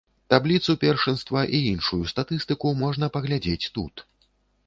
Табліцу першынства і іншую статыстыку можна паглядзець тут.